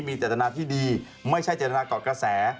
มีจัดตนาที่ดีไม่ใช่จัดตนากอดกระแส